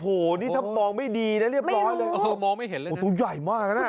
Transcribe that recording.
โอ้โหนี่ถ้ามองไม่ดีนะเรียบร้อยตัวใหญ่มากนะ